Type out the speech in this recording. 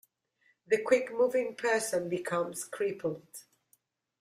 The quick moving person becomes crippled.